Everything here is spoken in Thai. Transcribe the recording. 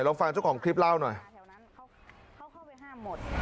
ลองฟังเจ้าของคลิปเล่าหน่อยแถวนั้นเขาเข้าไปห้ามหมด